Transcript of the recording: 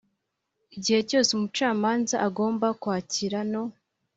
Igihe cyose umucamanza agomba kwakira no